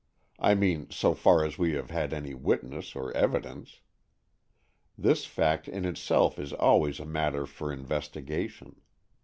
I mean, so far as we have had any witness or evidence. This fact in itself is always a matter for investigation.